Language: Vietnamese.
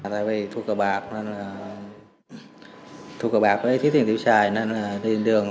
tại vì thu cầu bạc thu cầu bạc lấy tiền tiêu xài nên là đi đường